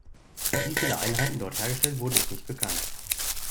Wie viele Einheiten dort hergestellt wurden ist nicht bekannt.